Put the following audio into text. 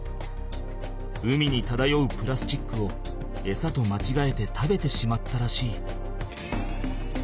海にただようプラスチックをエサとまちがえて食べてしまったらしい。